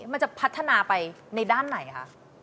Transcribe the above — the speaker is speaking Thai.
มันจะพัฒนาไปในด้านไหนคะ